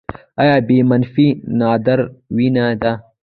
اې بي منفي نادره وینه ده